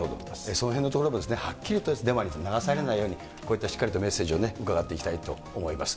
そのへんのところもはっきりとデマに流されないように、こうしたしっかりとメッセージを伺っていきたいと思います。